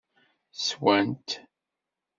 Sswen-t.